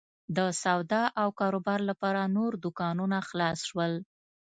د سودا او کاروبار لپاره نور دوکانونه خلاص شول.